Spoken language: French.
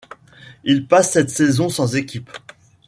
Il passe cette saison sans équipe.